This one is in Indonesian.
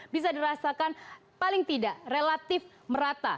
bisa dirasakan paling tidak relatif merata